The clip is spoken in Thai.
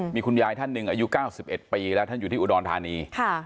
มีคุณยายท่านหนึ่งอายุ๙๑ปีแล้วท่านอยู่ที่อุดรธานี